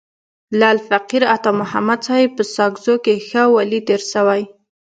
لعل فقیر عطا محمد صاحب په ساکزو کي ښه ولي تیر سوی.